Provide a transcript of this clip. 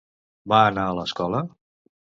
Va anar a l'escola?